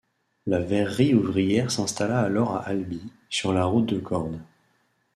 La verrerie ouvrière s’installa alors à Albi sur la route de Cordes.